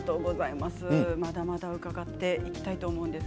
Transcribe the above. まだまだ伺っていきたいと思います。